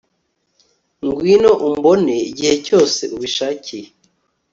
ngwino umbone igihe cyose ubishakiye